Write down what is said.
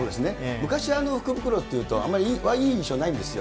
昔、福袋っていうと、あんまりいい印象ないんですよ。